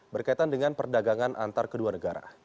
berkaitan dengan perdagangan antarabangsa